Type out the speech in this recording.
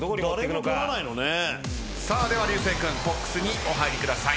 さあでは流星君ボックスにお入りください。